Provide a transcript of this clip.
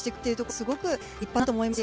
すばらしいと思います。